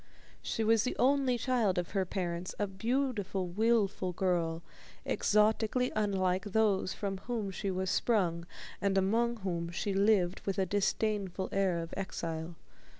She was the only child of her parents, a beautiful, willful girl, exotically unlike those from whom she was sprung and among whom she lived with a disdainful air of exile.